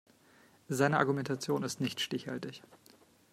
Seine Argumentation ist nicht stichhaltig.